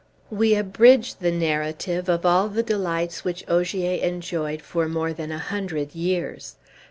We abridge the narrative of all the delights which Ogier enjoyed for more than a hundred years.